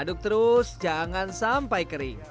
aduk terus jangan sampai kering